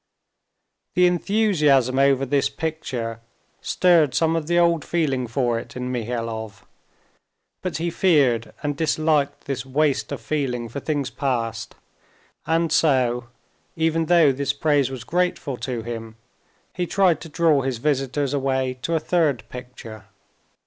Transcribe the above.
The enthusiasm over this picture stirred some of the old feeling for it in Mihailov, but he feared and disliked this waste of feeling for things past, and so, even though this praise was grateful to him, he tried to draw his visitors away to a third picture.